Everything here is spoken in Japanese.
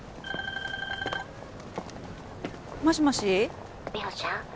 もしもし☎美穂ちゃん